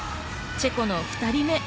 チェコの２人目。